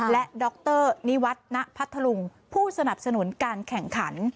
และดรนิวัฒนพัทธลุงผู้สนับสนุนการแข่งขัน